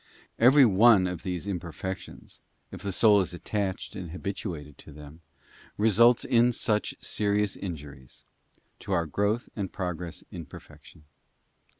Everyone of these imperfections, if the soul is attached and habituated to them, results in such serious injuries to our growth and progress in perfection.